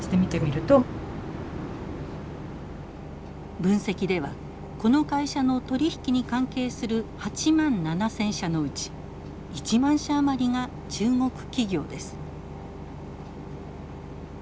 分析ではこの会社の取り引きに関係する８万７，０００社のうち１万社余りが中国企業です。